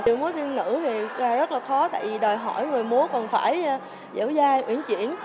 điệu múa tinh nữ thì ra rất là khó tại vì đòi hỏi người múa còn phải dẻo dai nguyễn chuyển